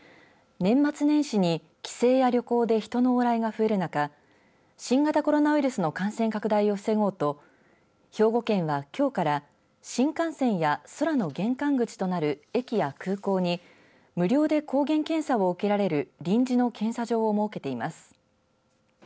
年末年始に帰省や旅行で人の往来が増える中新型コロナウイルスの感染拡大を防ごうと兵庫県は今日から新幹線や空の玄関口となる駅や空港に無料で抗原検査を受けられる臨時の検査場を設けています。